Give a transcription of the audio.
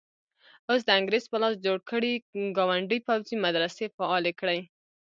اوس د انګریز په لاس جوړ کړي ګاونډي پوځي مدرسې فعالې کړي.